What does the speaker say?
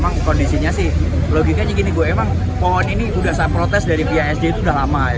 emang kondisinya sih logikanya begini emang pohon ini sudah saat protes dari pia sd itu sudah lama